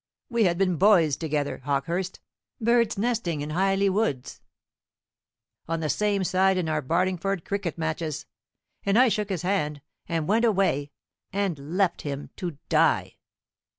We had been boys together, Hawkehurst, birds nesting in Hyley Woods; on the same side in our Barlingford cricket matches. And I shook his hand, and went away, and left him to die!"